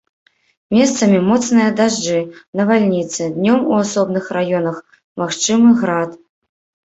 Месцамі моцныя дажджы, навальніцы, днём у асобных раёнах магчымы град.